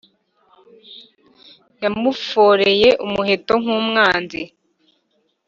Yamuforeye umuheto nk’umwanzi,